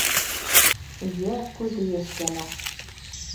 Йә күҙе йәшләнә.